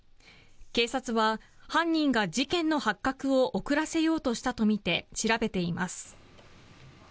警察は犯人が事件の発覚を遅らせようとしたとみて調べています。